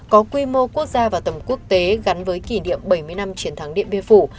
có quy mô quốc gia và tầm quốc tế gắn với kỷ niệm bảy mươi năm chiến thắng điện biên phủ